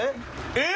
えっ！